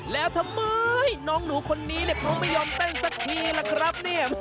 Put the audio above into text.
แล้วทำไมน้องหนูคนนี้เขาไม่ยอมเต้นสักทีล่ะครับเนี่ย